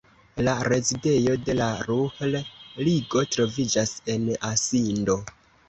La rezidejo de la Ruhr-Ligo troviĝas en Asindo.